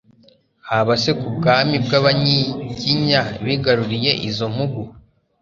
haba se ku bw'abami bw'Abanyiginya bigaruriye izo mpugu